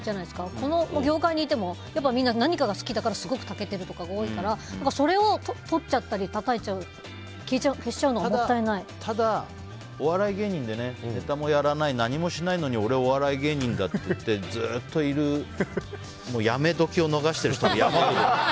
この業界にいても何かが好きだからすごくたけているとかが多いからそれをとったりただ、お笑い芸人でネタもやらない、何もしないのに俺、お笑い芸人だって言ってずっといる辞め時を逃している人も山ほど。